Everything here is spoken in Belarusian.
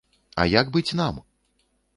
А як быць нам?